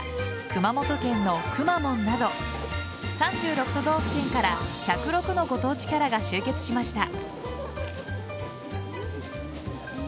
熊本県のくまモンなど３６都道府県から１０６のご当地キャラが集結しました。